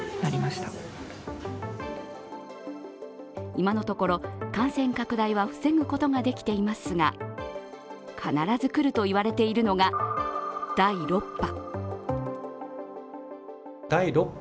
今のところ、感染拡大は防ぐことができていますが、必ず来ると言われているのが第６波。